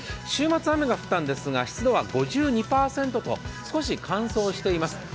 週末、雨が降ったんですが湿度は５２％と少し乾燥しています。